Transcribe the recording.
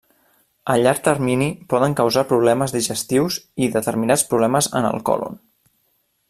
A llarg termini poden causar problemes digestius i determinats problemes en el còlon.